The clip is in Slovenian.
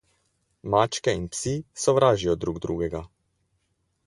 Mačke in psi sovražijo drug drugega.